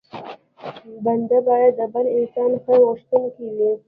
بنده بايد د بل انسان خیر غوښتونکی وي.